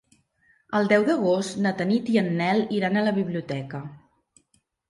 El deu d'agost na Tanit i en Nel iran a la biblioteca.